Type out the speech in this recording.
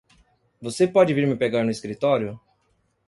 Você pode vir me pegar no escritório?